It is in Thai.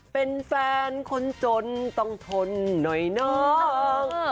เป็นแฟนคนจนต้องทนหน่อยน้อง